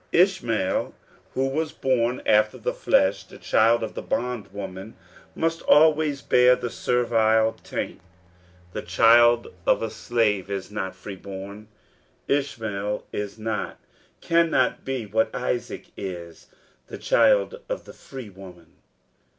Ishmael, who was born after the flesh, the child of the bondwoman, must always bear the servile taint. The child of a slave is not free born. Ishmael is not, cannot be, what Isaac is — the child of the freewoman.